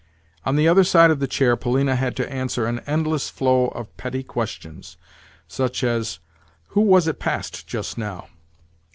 On the other side of the chair Polina had to answer an endless flow of petty questions—such as "Who was it passed just now?"